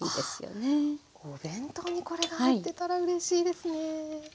お弁当にこれが入ってたらうれしいですね。